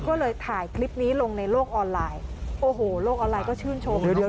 ก็เลยถ่ายคลิปนี้ลงในโลกออนไลน์โอ้โหโลกออนไลน์ก็ชื่นชม